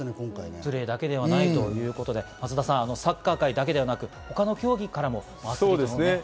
プレーだけではないということでサッカー界だけではなく、他の競技からも悲しみの声ですよね。